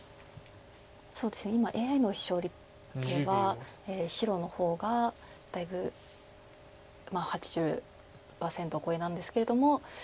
今ＡＩの勝率は白の方がだいぶ８０％超えなんですけれども。